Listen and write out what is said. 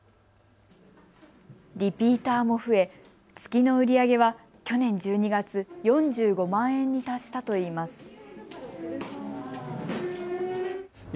リピーターも増え月の売り上げは去年１２月、４５万円に達したといいます。